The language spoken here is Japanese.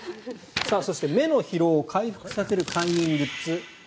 そして、目の疲労を回復させる快眠グッズ。